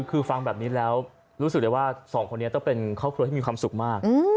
คือฟังแบบนี้แล้วรู้สึกได้ว่าสองคนนี้ต้องเป็นครอบครัวที่มีความสุขมาก